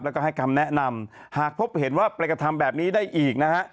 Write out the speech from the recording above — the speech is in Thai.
แล้วก็ให้คำแนะนำหากพบเห็นว่าไปกระทำแบบนี้ได้อีกนะฮะ